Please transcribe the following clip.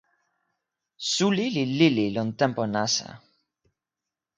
suli li lili lon tenpo nasa.